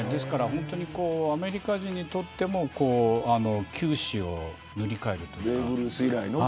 本当にアメリカ人にとっても球史を塗り替えるというか。